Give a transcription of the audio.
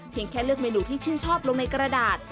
แค่เลือกเมนูที่ชื่นชอบลงในกระดาษ